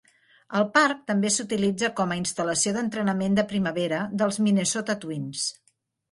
El parc també s'utilitza com a instal·lació d'entrenament de primavera dels Minnesota Twins.